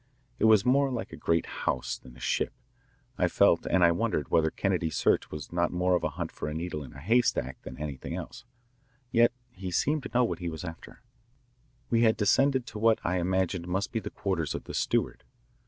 It was more like a great house than a ship, I felt, and I wondered whether Kennedy's search was not more of a hunt for a needle in a haystack than anything else. Yet he seemed to know what he was after. We had descended to what I imagined must be the quarters of the steward.